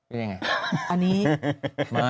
มืออย่างไร